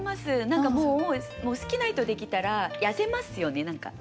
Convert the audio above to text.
何かもう好きな人できたら痩せますよね？